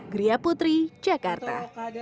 gria putri jakarta